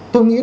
tôi nghĩ đúng